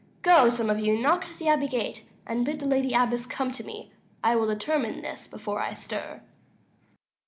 Go, some of you, knock at the abbey gate, 165 And bid the lady abbess come to me. I will determine this before I stir.